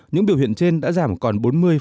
những biểu hiện trên đã giảm còn bốn mươi một mươi bảy